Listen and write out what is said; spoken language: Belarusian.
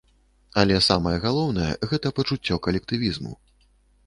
Але самае галоўнае, гэта пачуццё калектывізму.